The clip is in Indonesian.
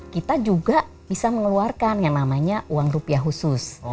kita juga bisa mengeluarkan yang namanya uang rupiah khusus